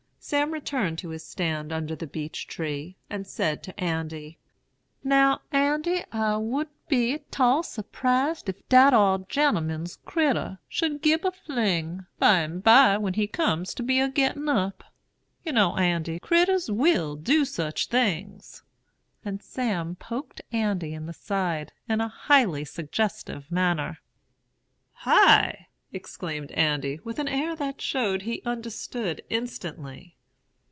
"Sam returned to his stand under the beech tree, and said to Andy, 'Now, Andy, I wouldn't be 't all surprised if dat ar gen'lman's crittur should gib a fling, by and by, when he comes to be a gettin' up. You know, Andy, critturs will do such things'; and Sam poked Andy in the side, in a highly suggestive manner. "'High!' exclaimed Andy, with an air that showed he understood instantly.